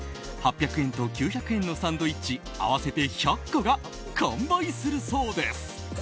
８００円と９００円のサンドイッチ合わせて１００個が完売するそうです。